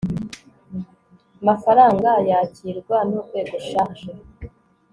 MAFARANGA YAKIRWA N URWEGO CHARGES